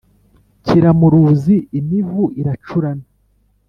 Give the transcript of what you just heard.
kiramuruzi imivu iracurana